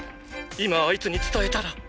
今あいつに伝えたら！